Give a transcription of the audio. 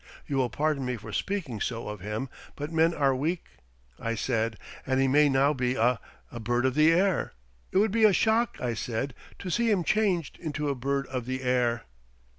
You will pardon me for speaking so of him, but men are weak,' I said, 'and he may now be a a bird of the air. It would be a shock,' I said, 'to see him changed into a bird of the air.'"